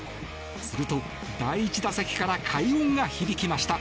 すると、第１打席から快音が響きました。